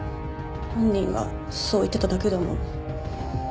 本人がそう言ってただけだもの。